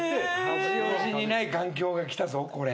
八王子にない環境がきたぞこれ。